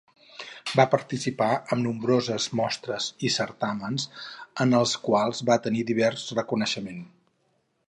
Va participar en nombroses mostres i certàmens, en els quals va tenir divers reconeixement.